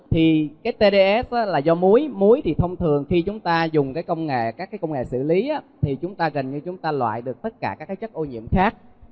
thì tds là do muối muối thì thông thường khi chúng ta dùng các công nghệ xử lý thì chúng ta gần như loại được tất cả các chất ô nhiễm khác